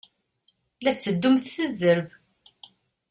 La tetteddumt s zzerb.